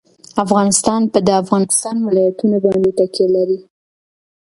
افغانستان په د افغانستان ولايتونه باندې تکیه لري.